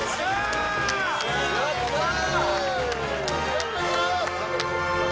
やったー！